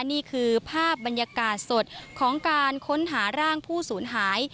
นี่คือภาพบรรยากาศสดของการค้นหาร่างผู้สูญหาย